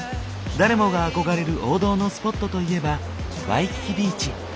誰もが憧れる王道のスポットといえばワイキキビーチ。